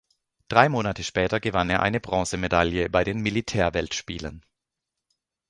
Drei Monate später gewann er eine Bronzemedaille bei den Militärweltspielen.